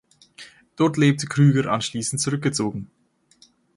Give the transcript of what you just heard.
Dort lebte Krüger anschliessend zurückgezogen.